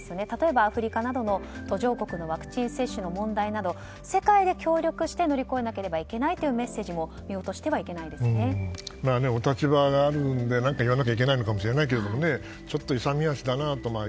例えば、アフリカなどの途上国のワクチン接種の問題など世界で協力して乗り越えなければいけないというメッセージもお立場があるので何か言わないといけないのかもしれないけどちょっと勇み足だなと。